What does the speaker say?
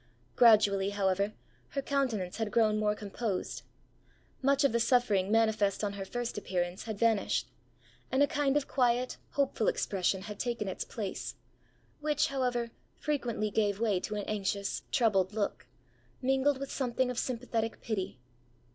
Gradually, however, her countenance had grown more composed; much of the suffering manifest on her first appearance had vanished, and a kind of quiet, hopeful expression had taken its place; which, however, frequently gave way to an anxious, troubled look, mingled with something of sympathetic pity.